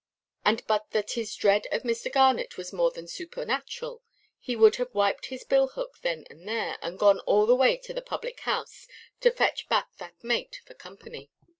And but that his dread of Mr. Garnet was more than supernatural, he would have wiped his billhook then and there, and gone all the way to the public–house to fetch back that mate for company.